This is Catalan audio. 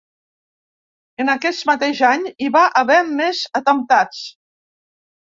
En aquest mateix any hi va haver més atemptats.